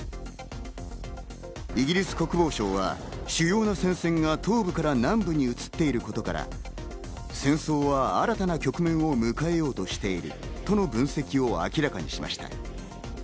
イギリス国防省は主要な戦線が東部から南部に移っていることから、戦争は新たな局面を迎えようとしているとの分析を明らかにしました。